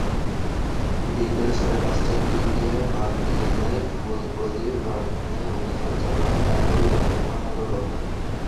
বিকেল সাড়ে পাঁচটার দিকে বাকলিয়ায় ফুলকলির কারখানায় অভিযান চালান একই ভ্রাম্যমাণ আদালত।